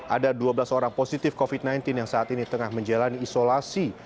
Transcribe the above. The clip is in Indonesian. ada dua belas orang positif covid sembilan belas yang saat ini tengah menjalani isolasi